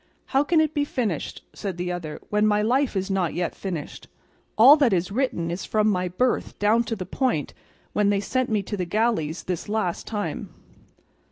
"How can it be finished," said the other, "when my life is not yet finished? All that is written is from my birth down to the point when they sent me to the galleys this last time."